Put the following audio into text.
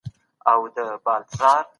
دولت به خپل مالي سیستم عصري کړي.